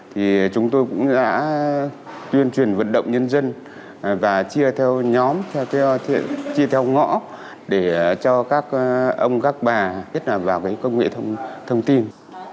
thì chúng tôi cũng đã tuyên truyền vận động nhân dân và chia theo nhóm chia theo ngõ để cho các ông các bà nhất là vào công nghệ thông tin